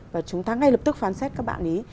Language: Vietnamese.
và chúng ta ngay lập tức phán xét các bạn ấy